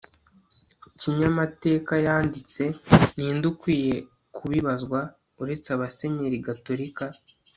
kinyamatekayanditse, ninde ukwiye kubibazwa uretse abasenyeri gatolika